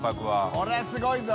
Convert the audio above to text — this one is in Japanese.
これはすごいぞ。